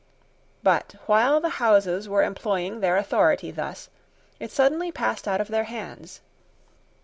But, while the Houses were employing their authority thus, it suddenly passed out of their hands.